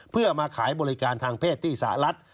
เพื่อมาขายบริการทางเพศที่สหรัฐ